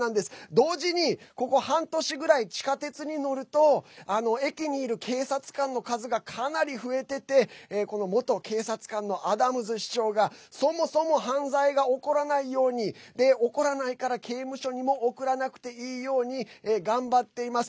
同時に、ここ半年ぐらい地下鉄に乗ると駅にいる警察官の数がかなり増えててこの元警察官のアダムズ市長がそもそも犯罪が起こらないようにで、起こらないから刑務所にも送らなくていいように頑張っています。